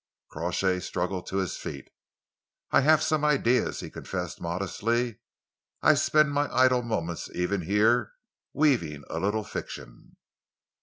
Crawshay struggled to his feet. "I have some ideas," he confessed modestly. "I spend my idle moments, even here, weaving a little fiction."